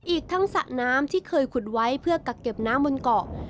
อีกทั้งสระน้ำที่เคยขุดไว้เพื่อกักเก็บน้ำบนเกาะ